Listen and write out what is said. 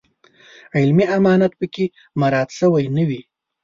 علمي امانت په کې مراعات شوی نه وي.